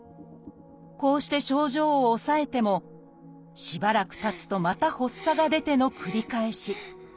こうして症状を抑えてもしばらくたつとまた発作が出ての繰り返し。